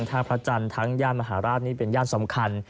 ท่าพระจันทร์ทั้งย่านมหาราชนี่เป็นย่านสำคัญ